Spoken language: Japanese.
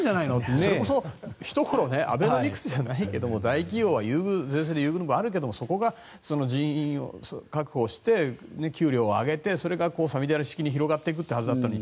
それこそ、ひところアベノミクスじゃないけど大企業は税制で優遇とかあるけれどもそこが人員を確保して給料を上げてさみだれ式に広がっていくはずだったのに。